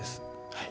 はい。